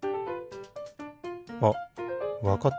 あっわかった。